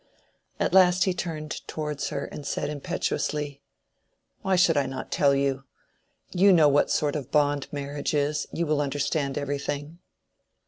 At last he turned towards her and said impetuously— "Why should I not tell you?—you know what sort of bond marriage is. You will understand everything."